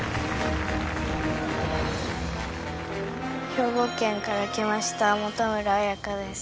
兵庫県から来ました本村彩歌です。